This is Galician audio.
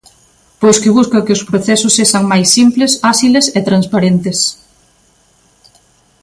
Pois que busca que os procesos sexan máis simples, áxiles e transparentes.